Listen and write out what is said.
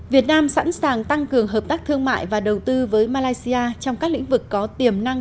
việt nam sẵn sàng tăng cường hợp tác thương mại và đầu tư với malaysia trong các lĩnh vực có tiềm năng